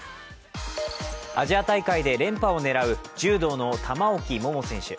アジア大会で連覇を狙う柔道の玉置桃選手。